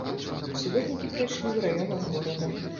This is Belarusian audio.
Суботнікі прайшлі ў раёнах горада.